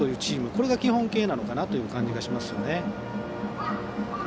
これが基本形かなという感じがします。